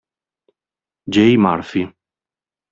Jay Murphy